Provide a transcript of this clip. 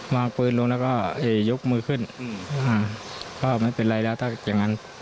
วางปืนลงแล้วก็ยกมือขึ้น